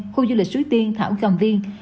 khu du lịch suối tiên thảo cầm viên